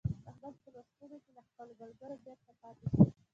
احمد په لوستونو کې له خپلو ملګرو بېرته پاته شو.